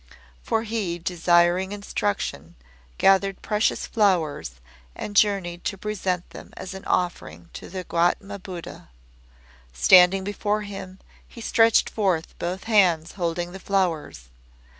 For he, desiring instruction, gathered precious flowers, and journeyed to present them as an offering to the Guatama Buddha. Standing before Him, he stretched forth both his hands holding the flowers.